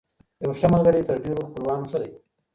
يو ښه ملګری تر ډېرو خپلوانو ښه دی.